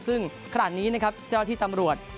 ซึ่งขณะนี้เจ้าที่ตำรวจ